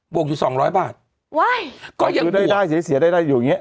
วกอยู่สองร้อยบาทว้ายก็ยังได้ได้เสียเสียได้ได้อยู่อย่างเงี้